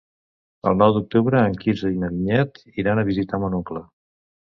El nou d'octubre en Quirze i na Vinyet iran a visitar mon oncle.